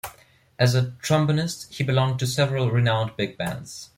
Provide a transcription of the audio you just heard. As a trombonist, he belonged to several renowned big bands.